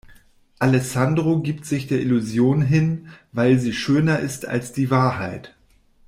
Alessandro gibt sich der Illusion hin, weil sie schöner ist als die Wahrheit.